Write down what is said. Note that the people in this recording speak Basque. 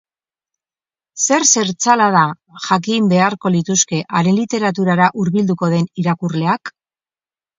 Zer zertzelada jakin beharko lituzke haren literaturara hurbilduko den irakurleak?